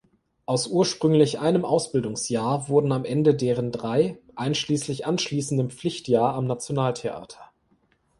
Aus ursprünglich einem Ausbildungsjahr wurden am Ende deren drei, einschließlich anschließendem Pflichtjahr am Nationaltheater.